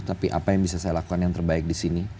tapi apa yang bisa saya lakukan yang terbaik disini